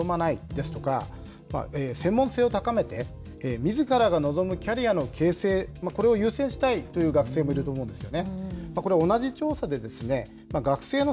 家庭の事情などで転勤を望まないですとか、専門性を高めてみずからが望むキャリアの形成、これを優先したいという学生もいると思うんですよね。